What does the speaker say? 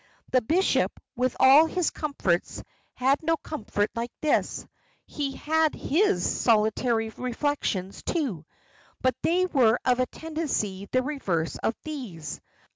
The bishop, with all his comforts, had no comfort like this; he had his solitary reflections too, but they were of a tendency the reverse of these.